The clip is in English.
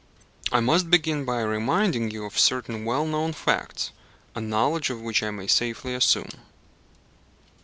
I must begin by reminding you of certain well known facts, a knowledge of which I may safely assume.